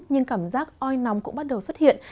nhưng cảm giác oi nóng cũng bắt đầu xuất hiện